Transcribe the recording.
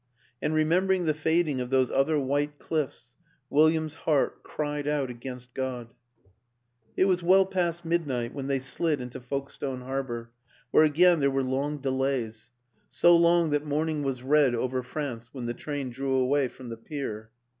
And remembering the fading of those other white cliffs, William's heart cried out against God. It was well past midnight when they slid into Folkestone Harbor where again there were long WILLIAM AN ENGLISHMAN 203 delays; so long that morning was red over France when the train drew away from the pier.